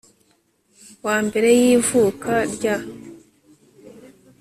wa mbere y ivuka rya